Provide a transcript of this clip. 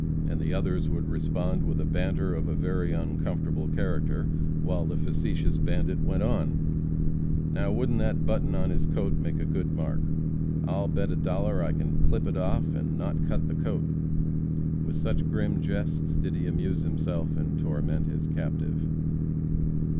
And the others would respond with a banter of a very uncomfortable character, while the facetious bandit went on: "Now, wouldn't that button on his coat make a good mark. I'll bet a dollar I can clip it off and not cut the coat!" With such grim jests did he amuse himself and torment the captive.